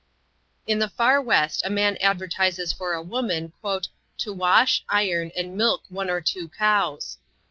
In the far West a man advertises for a woman "to wash, iron and milk one or two cows."